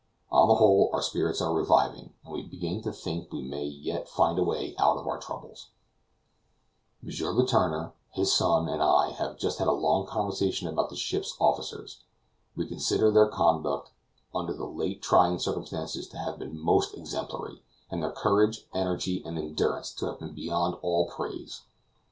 On the whole our spirits are reviving and we begin to think we may yet find a way out of our troubles. M. Letourneur, his son, and I, have just had a long conversation about the ship's officers. We consider their conduct, under the late trying circumstances, to have been most exemplary, and their courage, energy, and endurance to have been beyond all praise.